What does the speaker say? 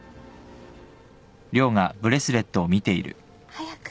早く。